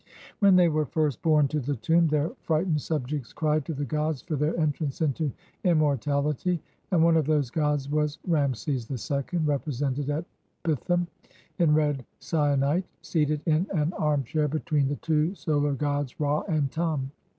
When they were first borne to the tomb, their fright ened subjects cried to the gods for their entrance into immortality; and one of those gods was Rameses II, represented at Pithom in red syenite, seated in an arm chair between the two solar gods Ra and Tum.